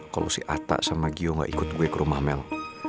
kalau si atta sama gio gak ikut gue ke rumah mel